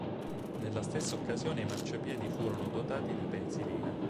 Nella stessa occasione i marciapiedi furono dotati di pensiline.